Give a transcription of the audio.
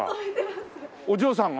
お嬢さんが？